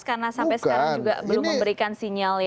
karena sampai sekarang juga belum memberikan sinyal yang